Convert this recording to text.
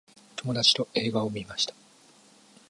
友達と映画を観ました。